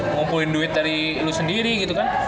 ngumpulin duit dari lu sendiri gitu kan